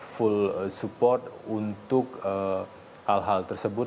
full support untuk hal hal tersebut